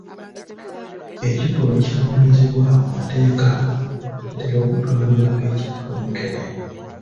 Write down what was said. Ekikolwa ekibonerezebwa mu mateeka kitera okutwalibwa ng'ekya kawenkene.